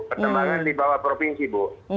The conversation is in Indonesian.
perkembangan di bawah provinsi bu